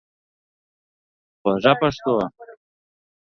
خوږه پښتو